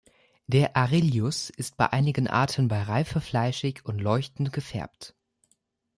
Der Arillus ist bei einigen Arten bei Reife fleischig und leuchtend gefärbt.